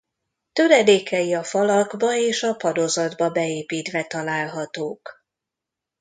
Töredékei a falakba és a padozatba beépítve találhatók.